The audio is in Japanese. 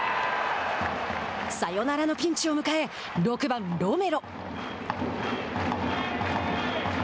サヨナラのピンチを迎え６番ロメロ。